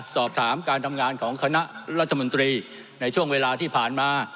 สอบถามการทำงานของคณะรัฐมนตรีในช่วงเวลาที่ผ่านมา